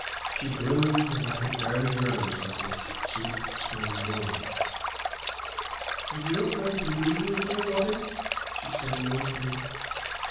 She bloomed like an early rose on this sweet spring morning. "And you are going to leave me, Robin?" she said, mournfully.